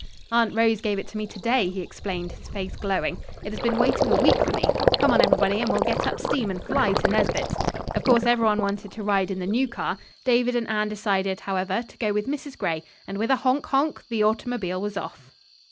"Aunt Rose gave it to me, to day," he explained, his face glowing. "It has been waiting a week for me. Come on, everybody, and we'll get up steam and fly to Nesbit's." Of course every one wanted to ride in the new car. David and Anne decided, however, to go with Mrs. Gray, and with a honk! honk! the automobile was off.